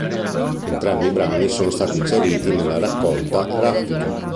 Entrambi i brani sono stati inseriti nella raccolta "Raffica".